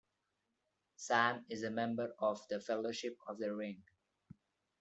Sam is a member of the Fellowship of the Ring.